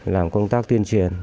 làm công tác tuyên truyền